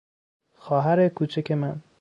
خواهر کوچک من